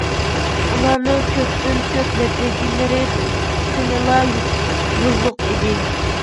ئۇلارنىڭ كۆپتىن كۆپ نەتىجىلىرى خېلىلا يوللۇق ئىدى.